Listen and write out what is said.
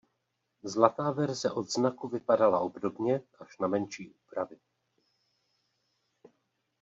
Zlatá verze odznaku vypadala obdobně až na menší úpravy.